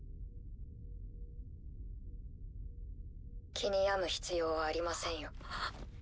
気に病む必要はありませんよ。